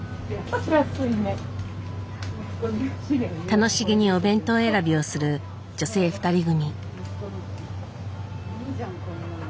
楽しげにお弁当選びをする女性２人組。